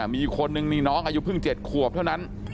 มีคนนึงนี่น้องอายุเพิ่ง๗ขวบเท่านั้น